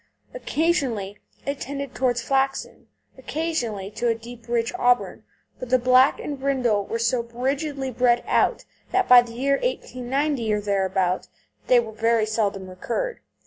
Occasionally it tended towards flaxen; occasionally to a deep rich auburn; but the black and brindle were so rigidly bred out that by the year 1890, or thereabout, they very seldom recurred.